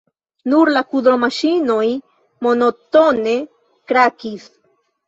Nur la kudromaŝinoj monotone krakis.